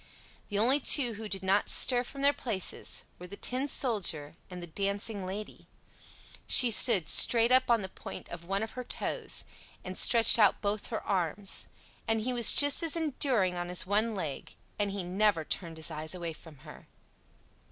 The only two who did not stir from their places were the Tin Soldier and the Dancing Lady; she stood straight up on the point of one of her toes, and stretched out both her arms: and he was just as enduring on his one leg; and he never turned his eyes away from her.